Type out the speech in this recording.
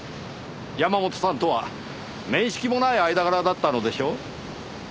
山本さんとは面識もない間柄だったのでしょ？